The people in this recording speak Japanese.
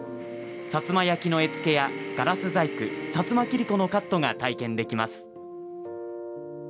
薩摩焼きの絵付けやガラス細工薩摩切子のカットが体験できます。